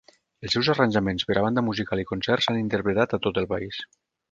Els seus arranjaments per a banda musical i concert s'han interpretat a tot el país.